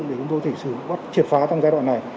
để chúng tôi thể xử bắt triệt phá trong giai đoạn này